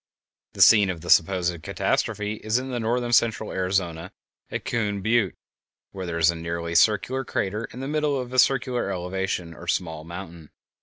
The scene of the supposed catastrophe is in northern central Arizona, at Coon Butte, where there is a nearly circular crater in the middle of a circular elevation or small mountain.